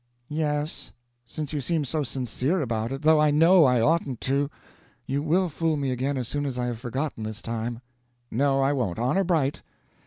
"Yes, since you seem so sincere about it, though I know I oughtn't to. You will fool me again as soon as I have forgotten this time." "No, I won't, honor bright.